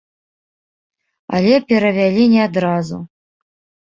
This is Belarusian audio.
Але перавялі не адразу.